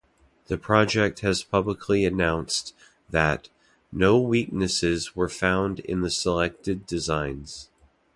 The project has publicly announced that "no weaknesses were found in the selected designs".